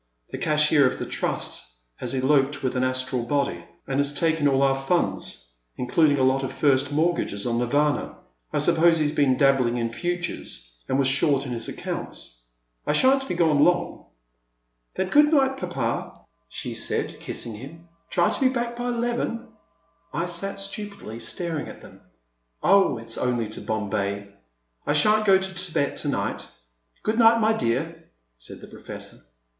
The cashier of the Trust has eloped with an Astral body, and has taken all our fiinds, including a lot of first mortgages on Nirvana. I suppose he 's been dabbling in futures, and was short in his accounts. I shan't be gone long." " Then good night, papa," she said, kissing II II 370 The Man ai the Next Table. him, '* try to be back by eleven." I sat stupidly staring at them. Oh, it *s only to Bombay — I shan't go to Thibet to night, — good night, my dear," said the Professor.